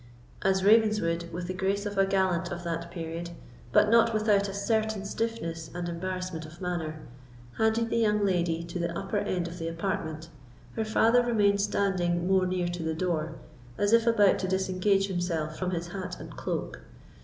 As Ravenswood, with the grace of a gallant of that period, but not without a certain stiffness and embarrassment of manner, handed the young lady to the upper end of the apartment, her father remained standing more near to the door, as if about to disengage himself from his hat and cloak.